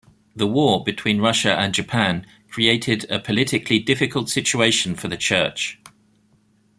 The war between Russia and Japan created a politically difficult situation for the church.